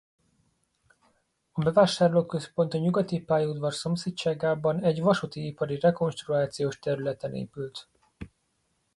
A bevásárlóközpont a Nyugati pályaudvar szomszédságában egy vasúti-ipari rekonstrukciós területen épült.